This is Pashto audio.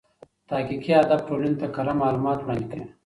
تحقیقي ادب ټولني ته کره معلومات وړاندي کوي.